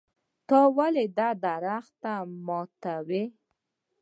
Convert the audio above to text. ته ولې دا درخت ماتوې.